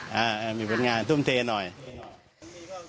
ฮะมีผลงานทุ่มเทน้อยนะครับครับครับ